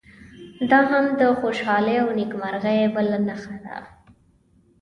دا هم د خوشالۍ او نیکمرغۍ بله نښه ده.